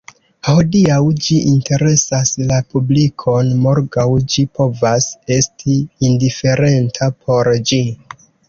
Hodiaŭ ĝi interesas la publikon, morgaŭ ĝi povas esti indiferenta por ĝi.